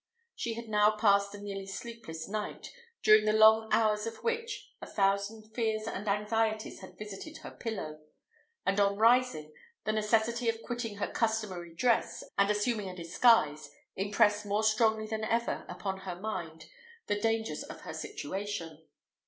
She had now passed a nearly sleepless night, during the long hours of which a thousand fears and anxieties had visited her pillow; and on rising, the necessity of quitting her customary dress and assuming a disguise impressed more strongly than ever upon her mind the dangers of her situation.